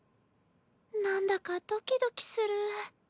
なんだかドキドキする。